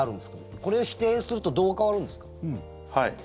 これ、指定するとどう変わるんですか？